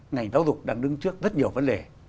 ngành giáo dục đang đứng trước rất nhiều vấn đề